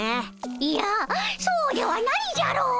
いやそうではないじゃろ！